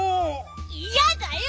いやだよ！